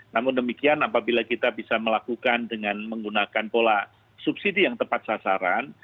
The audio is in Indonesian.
namun demikian apabila kita bisa melakukan dengan menggunakan pola subsidi yang tepat sasaran